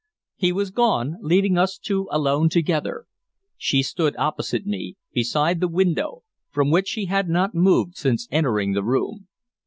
He was gone, leaving us two alone together. She stood opposite me, beside the window, from which she had not moved since entering the room.